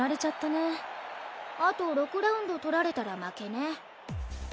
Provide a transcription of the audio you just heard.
あと６ラウンド取られたら負けね。